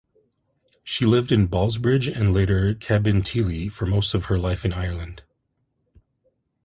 She lived in Ballsbridge and later Cabinteely for most of her life in Ireland.